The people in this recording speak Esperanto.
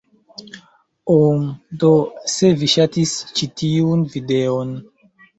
Um... do, se vi ŝatis ĉi tiun... videon?